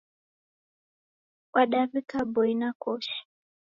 Wadaw'ika boi na koshi.